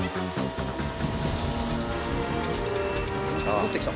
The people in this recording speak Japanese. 戻ってきた。